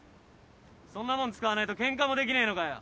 そんなもん使わねえとケンカもできねえのかよ。